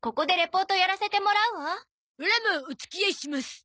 オラもお付き合いします。